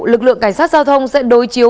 lực lượng cảnh sát giao thông sẽ đối chiếu